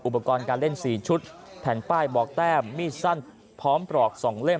อุปกรณ์การเล่น๔ชุดแผ่นป้ายบอกแต้มมีดสั้นพร้อมปลอก๒เล่ม